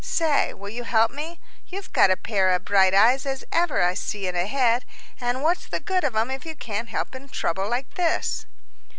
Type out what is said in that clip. Say, will you help me? You've got a pair of bright eyes as ever I see in a head; and what's the good of 'em if you can't help in trouble like this?"